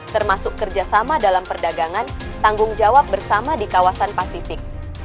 termasuk kerjasama dalam perdagangan tanggung jawab bersama di kawasan pasifik